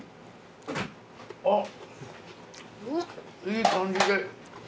あっいい感じで。